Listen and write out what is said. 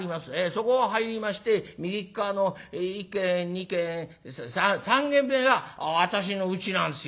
そこを入りまして右っ側の１軒２軒３軒目が私のうちなんですよ」。